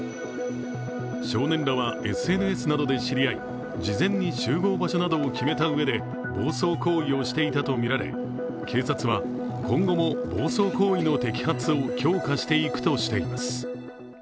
少年らはＳＮＳなどで知り合い事前に集合場所などを決めたうえで暴走行為をしていたとみられ、警察は今後も暴走行為の摘発を強化していくとしています。